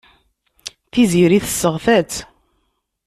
Tiziri tesseɣta-tt.